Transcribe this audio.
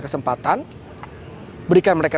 kesempatan berikan mereka